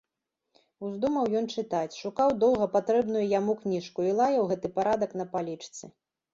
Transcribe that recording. Уздумаў ён чытаць, шукаў доўга патрэбную яму кніжку і лаяў гэты парадак на палічцы.